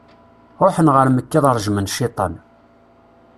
Ruḥen ɣer Mekka ad rejmen cciṭan.